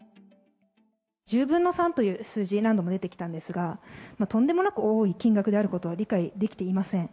１０分の３という数字、何度も出てきたんですが、とんでもなく多い金額であることを理解できていません。